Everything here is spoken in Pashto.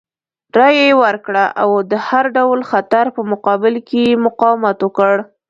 رایه یې ورکړه او د هر ډول خطر په مقابل کې یې مقاومت وکړ.